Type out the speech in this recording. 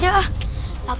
kak aku mau cek dulu ke sana